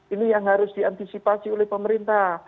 ini yang harus diantisipasi oleh pemerintah